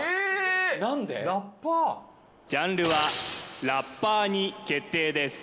ジャンルはラッパーに決定です